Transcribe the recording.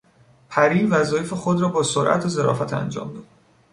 پری وظایف خود را با سرعت و ظرافت انجام داد.